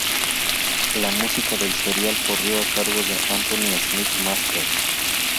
La música del serial corrió a cargo de Anthony Smith-Masters.